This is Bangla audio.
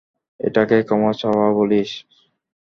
এটাকে ক্ষমা চাওয়া বলছিস?